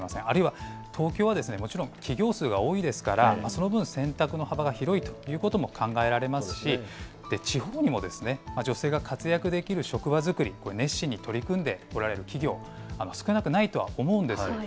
あるいは、東京はもちろん、企業数が多いですから、その分、選択の幅が広いということも考えられますし、地方にも女性が活躍できる職場作り、これ、熱心に取り組んでおられる企業、少なくないとは思うんです。